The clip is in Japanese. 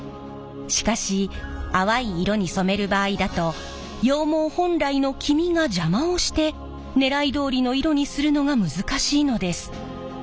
しかし淡い色に染める場合だと羊毛本来の黄みが邪魔をしてねらいどおりの色にするのが難しいのです。